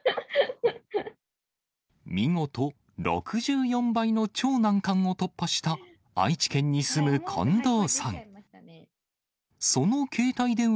見事、６４倍の超難関を突破した、愛知県に住む近藤さん。